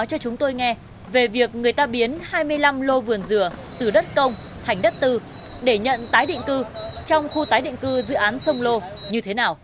cho chúng tôi nghe về việc người ta biến hai mươi năm lô vườn dừa từ đất công thành đất tư để nhận tái định cư trong khu tái định cư dự án sông lô như thế nào